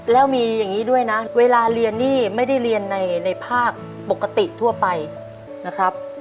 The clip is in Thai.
แล้วมีอย่างนี้ด้วยนะเวลาเรียนนี่ไม่ได้เรียนในภาคปกติทั่วไปนะครับ